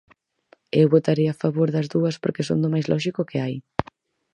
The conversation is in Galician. Eu votarei a favor das dúas porque son do máis lóxico que hai.